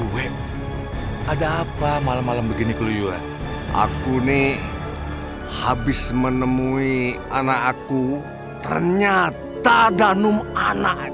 ada apa malam malam begini keliru aku nih habis menemui anak aku ternyata danum anak